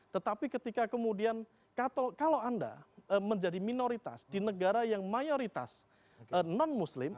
tetapi ketika kemudian kalau anda menjadi minoritas di negara yang mayoritas non muslim